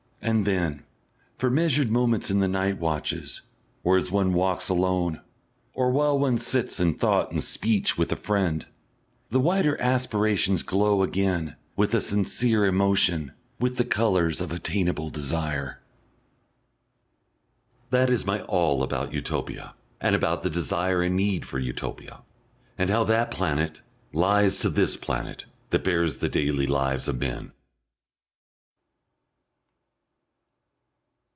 And then, for measured moments in the night watches or as one walks alone or while one sits in thought and speech with a friend, the wider aspirations glow again with a sincere emotion, with the colours of attainable desire.... That is my all about Utopia, and about the desire and need for Utopia, and how that planet lies to this planet that bears the daily lives of men.